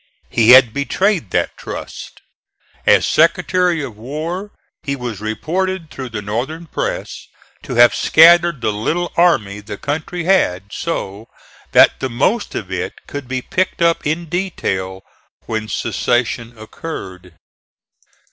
He had betrayed that trust. As Secretary of War he was reported through the northern press to have scattered the little army the country had so that the most of it could be picked up in detail when secession occurred.